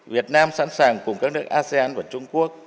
việt nam sẵn sàng cùng các nước asean và trung quốc